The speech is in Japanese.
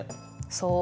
そう。